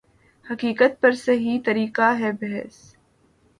حقیقت پر صحیح طریقہ سے بحث